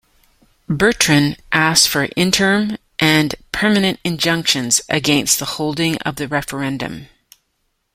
Bertrand asked for interim and permanent injunctions against the holding of the referendum.